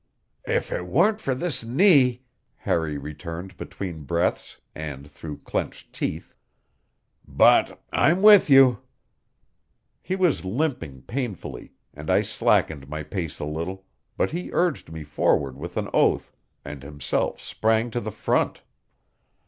"If it weren't for this knee," Harry returned between breaths and through clenched teeth. "But I'm with you." He was limping painfully, and I slackened my pace a little, but he urged me forward with an oath, and himself sprang to the front.